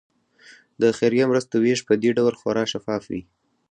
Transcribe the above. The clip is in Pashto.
د خیریه مرستو ویش په دې ډول خورا شفاف وي.